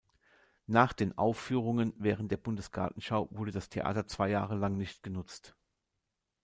Nach den Aufführungen während der Bundesgartenschau wurde das Theater zwei Jahre lang nicht genutzt.